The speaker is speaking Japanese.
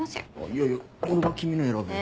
いやいや俺が君の選ぶよ。